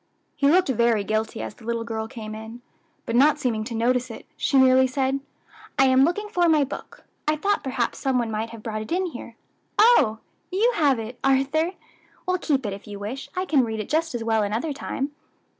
He looked very guilty as the little girl came in, but not seeming to notice it, she merely said, "I am looking for my book. I thought perhaps some one might have brought it in here. Oh! you have it, Arthur! well, keep it, if you wish; I can read it just as well another time."